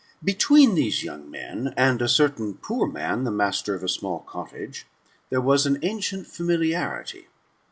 Between these young men, and a certain poor man, 4he master of a small cottage, there was an ancient familiarity.